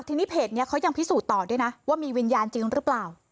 ทีนี้เพจนี้เขายังพิสูจน์ต่อด้วยนะว่ามีวิญญาณจริงหรือเปล่า